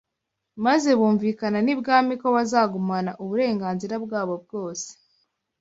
maze bumvikana n’ibwami ko bazagumana uburenganzira bwabo bwose